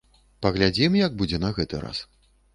Паглядзім як будзе на гэты раз.